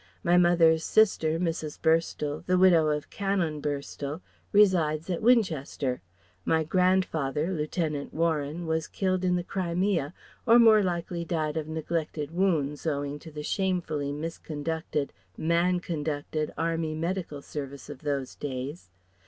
My mother's sister, Mrs. Burstall, the widow of Canon Burstall, resides at Winchester; my grandfather, Lieutenant Warren, was killed in the Crimea or more likely died of neglected wounds owing to the shamefully misconducted, man conducted Army Medical Service of those days.